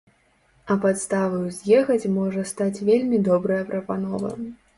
А падставаю з'ехаць можа стаць вельмі добрая прапанова.